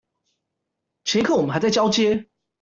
前一刻我們還在交接